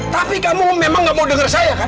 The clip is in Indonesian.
tapi kamu memang gak mau dengar saya kan